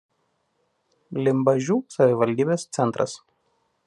Limbažių savivaldybės centras.